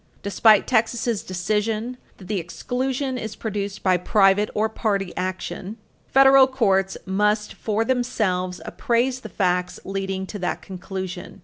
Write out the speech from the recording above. Despite Texas' decision that the exclusion is produced by private or party action, Bell v. Hill, supra, Federal courts must for themselves appraise the facts leading to that conclusion.